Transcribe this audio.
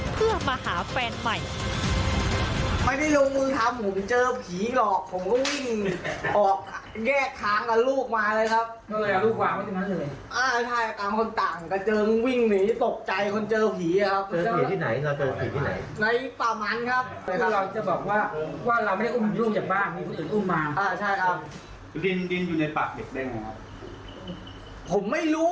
เพื่อมาหาแฟนใหม่